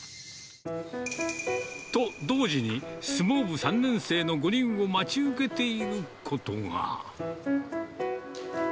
と同時に、相撲部３年生の５人を待ち受けていることが。